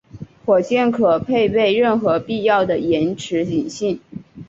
火箭可配备任何必要的延迟引信。